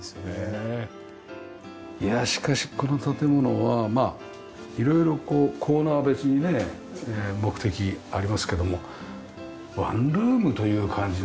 いやしかしこの建物はいろいろこうコーナー別にね目的ありますけどもワンルームという感じの意識もありますよね。